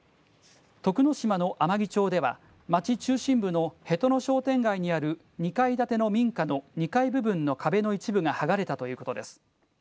徳之島の天城町では町中心部の平土野商店街にある２階建ての民家の２階部分の壁の一部が剥がれたということです。